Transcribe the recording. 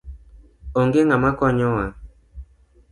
Onge ng'ama konyo waa